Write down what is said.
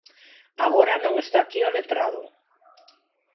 Agora non está aquí o letrado.